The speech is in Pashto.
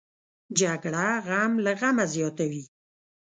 جګړه غم له غمه زیاتوي